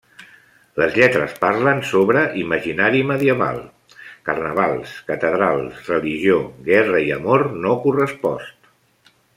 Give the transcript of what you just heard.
Les lletres parlen sobre imaginari medieval: carnavals, catedrals, religió, guerra i amor no correspost.